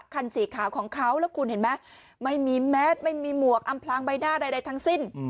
คันสีขาวของเขาแล้วคุณเห็นไหมไม่มีแมสไม่มีหมวกอำพลางใบหน้าใดทั้งสิ้น